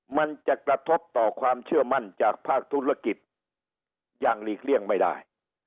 มันจะกระทบต่อความเชื่อมั่นจากภาคธุรกิจอย่างหลีกเลี่ยงไม่ได้